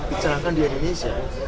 dicanakan di indonesia